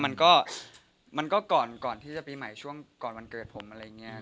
มันก็มันก็ก่อนที่จะปีใหม่ช่วงก่อนวันเกิดผมอะไรอย่างนี้ครับ